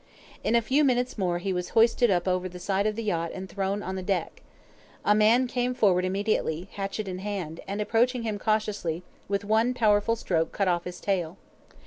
In a few minutes more he was hoisted up over the side of the yacht and thrown on the deck. A man came forward immediately, hatchet in hand, and approaching him cautiously, with one powerful stroke cut off his tail.